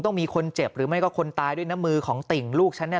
ต้องมีคนเจ็บหรือไม่ก็คนตายด้วยนะมือของติ่งลูกฉันเนี่ย